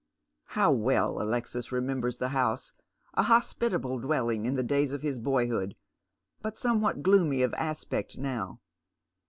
How well Alexis remembers the house ! a hospitable dwelling in the days of his boyhood, but somewhat gloomy of aspect now.